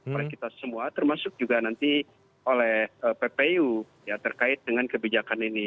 oleh kita semua termasuk juga nanti oleh ppu ya terkait dengan kebijakan ini